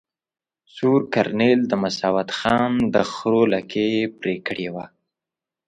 سور کرنېل د مساو د خان د خرو لکې ېې پرې کړي وه.